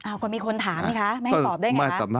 อ้าวก็มีคนถามนะคะไม่สอบได้ไง